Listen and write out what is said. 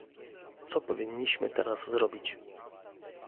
Co powinniśmy teraz zrobić?